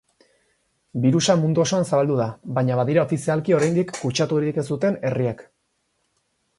Birusa mundu osoan zabaldu da baina badira ofizialki oraindik kutsaturik ez duten herriak.